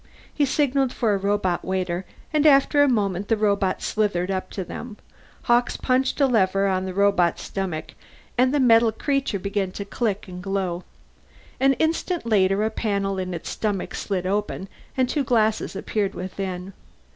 He signalled for a robot waiter, and after a moment the robot slithered up to them. Hawkes punched a lever on the robot's stomach and the metal creature began to click and glow. An instant later a panel in its stomach slid open and two glasses appeared within.